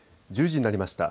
１０時になりました。